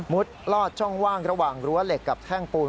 ลอดช่องว่างระหว่างรั้วเหล็กกับแท่งปูน